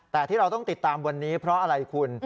แต่ที่เราต้องติดตามวันนี้เพราะอะไรคุณ